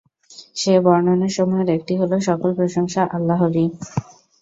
সে বর্ণনাসমূহের একটি হলো, সকল প্রশংসা আল্লাহরই।